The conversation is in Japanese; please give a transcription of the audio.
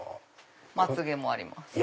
まつげもあります。